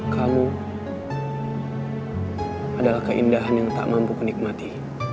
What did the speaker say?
kamu adalah keindahan yang tak mampu ku nikmati